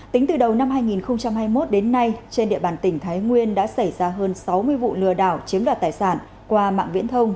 tính từ đầu năm hai nghìn hai mươi một đến nay trên địa bàn tỉnh thái nguyên đã xảy ra hơn sáu mươi vụ lừa đảo chiếm đoạt tài sản qua mạng viễn thông